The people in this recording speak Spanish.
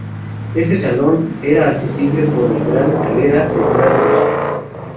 Este salón era accesible por la Gran Escalera detrás del barco.